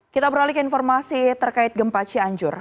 kita beralih ke informasi terkait gempa cianjur